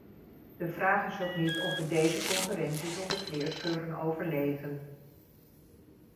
De vraag is ook niet of we deze concurrentie zonder kleerscheuren overleven.